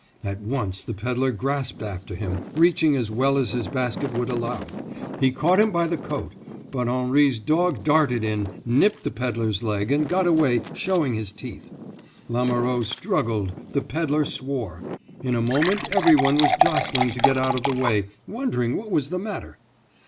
At once the pedler grasped after him, reaching as well as his basket would allow; he caught him by the coat; but Henri's dog darted in, nipped the pedler's leg, and got away, showing his teeth. Lamoureux struggled, the pedler swore; in a moment every one was jostling to get out of the way, wondering what was the matter.